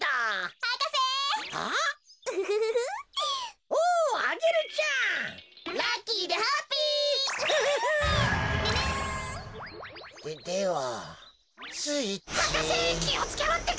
博士きをつけろってか！